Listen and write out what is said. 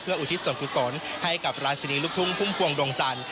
เพื่ออุทิศสนคุศลให้กับราชนีลุกทุ้งคุ้มพวงดวงจันทร์